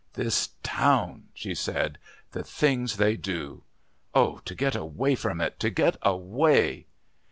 "This town," she said; "the things they do. Oh! to get away from it, to get away!"